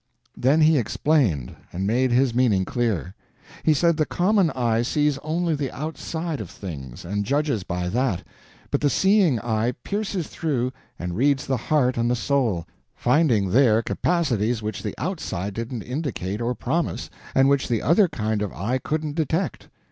Then he explained, and made his meaning clear. He said the common eye sees only the outside of things, and judges by that, but the seeing eye pierces through and reads the heart and the soul, finding there capacities which the outside didn't indicate or promise, and which the other kind of eye couldn't detect.